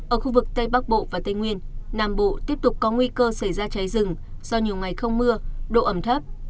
ở khu vực tây bắc bộ và tây nguyên nam bộ tiếp tục có nguy cơ xảy ra cháy rừng do nhiều ngày không mưa độ ẩm thấp